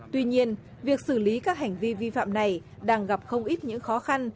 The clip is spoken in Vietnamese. tuy nhiên việc xử lý các hành vi vi phạm này đang gặp không ít những khó khăn